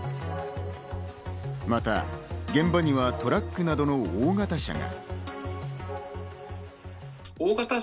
また現場にはトラックなどの大型車が。